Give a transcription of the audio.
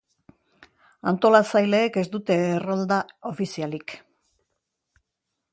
Antolatzaileek ez dute errolda ofizialik.